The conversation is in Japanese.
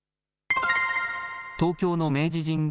東京の明治神宮